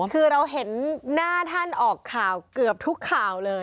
คือเราเห็นหน้าท่านออกข่าวเกือบทุกข่าวเลย